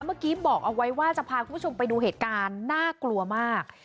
เมื่อกี้บอกเอาไว้ว่าจะพาคุณผู้ชมไปดูเหตุการณ์น่ากลัวมาก